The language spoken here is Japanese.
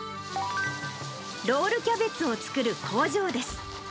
ロールキャベツを作る工場です。